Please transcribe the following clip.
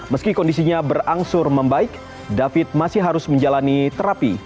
meski kondisinya berangsur membaik david masih harus menjalani terapi